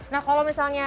nah kalau misalnya